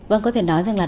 vâng có thể nói rằng là